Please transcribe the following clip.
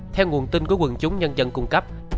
theo nguồn tin của quần chúng nhân dân cung cấp